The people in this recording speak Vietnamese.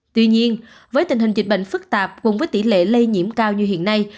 tuy nhiên với tình hình dịch bệnh phức tạp cùng với tỷ lệ lây nhiễm cao như hiện nay